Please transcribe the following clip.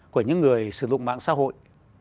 của những người sử dụng mạng xã hội